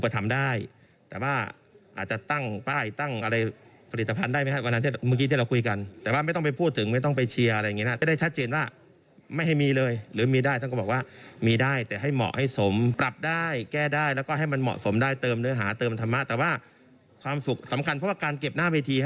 เติมธรรมะแต่ว่าความสุขสำคัญเพราะว่าการเก็บหน้าเวที